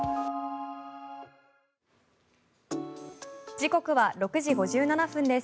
時刻は６時５７分です。